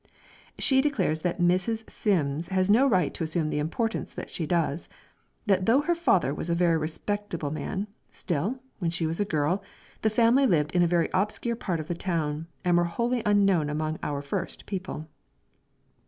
She declares that Mrs. Simms has no right to assume the importance that she does that though her father was a very respectable man, still, when she was a girl, the family lived in a very obscure part of the town, and were wholly unknown among our first people.